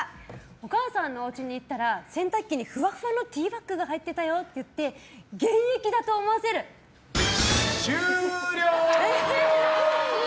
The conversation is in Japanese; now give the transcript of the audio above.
お母さんのおうちに行ったら洗濯機にふわふわのＴバックが入ってたよって言って終了！